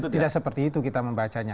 tidak seperti itu kita membacanya